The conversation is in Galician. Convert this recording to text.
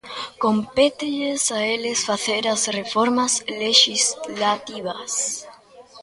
Compételles a eles facer as reformas lexislativas.